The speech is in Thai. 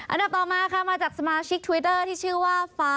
อันดับต่อมาค่ะมาจากสมาชิกทวิตเตอร์ที่ชื่อว่าฟ้า